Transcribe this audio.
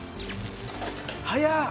早っ！